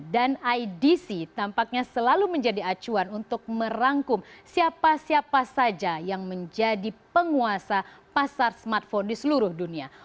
dan idc tampaknya selalu menjadi acuan untuk merangkum siapa siapa saja yang menjadi penguasa pasar smartphone di seluruh dunia